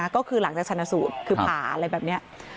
ก็คือหลังจากชนะสูตรคือผ่าอะไรแบบนี้